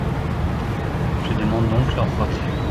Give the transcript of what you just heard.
Je demande donc leur retrait.